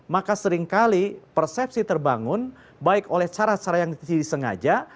maka seringkali persepsi terbangun baik oleh cara cara yang disengaja